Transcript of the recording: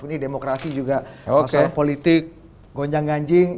ini demokrasi juga masalah politik gonjang ganjing